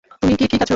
তুমি কি ঠিক আছ।